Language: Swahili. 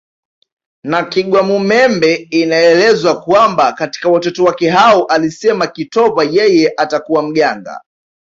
na Kigwamumembe inaelezwa kwamba katika watoto wake hao alisema kitova yeye atakuwa mganga